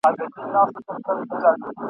بس له اسمانه تندرونه اوري !.